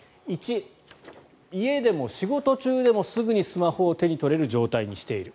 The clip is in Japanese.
１、家でも仕事中でもすぐにスマホを手に取れる状態にしている。